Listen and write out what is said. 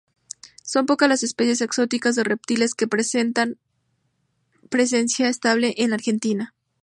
Son pocas las especies exóticas de reptiles que presentan presencia estable en la Argentina.